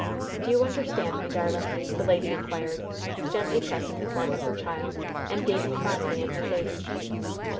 "Do you understand me, darling?" the lady inquired, gently pressing the form of her child, and gazing fondly in her face.